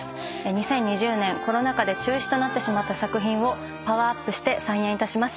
２０２０年コロナ禍で中止となってしまった作品をパワーアップして再演いたします。